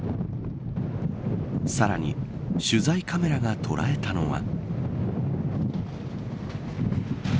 さらに取材カメラが捉えたのは。